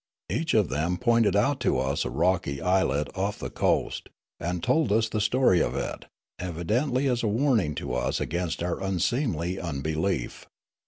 Each of them pointed out to us a rocky islet off the coast, and told us the story of it, evidently as a warn ing to us against our unseemly unbelief.